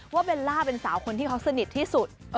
เบลล่าเป็นสาวคนที่เขาสนิทที่สุด